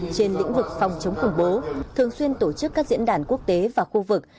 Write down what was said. trên lĩnh vực phòng chống khủng bố thường xuyên tổ chức các diễn đàn quốc tế và khu vực